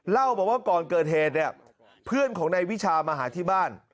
เล่าบอกว่าก่อนเกิดเหตุเนี่ยเพื่อนของนายวิชามาหาที่บ้าน